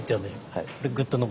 はい。